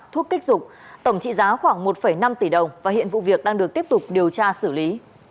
thuốc kích dục tổng trị giá khoảng một năm tỷ đồng và hiện vụ việc đang được tiếp tục điều tra xử lý